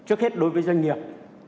trước hết đối với doanh nghiệp